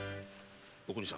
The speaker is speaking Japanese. お邦さん